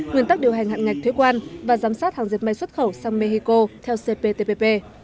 nguyên tắc điều hành hạn ngạch thuế quan và giám sát hàng dệt may xuất khẩu sang mexico theo cptpp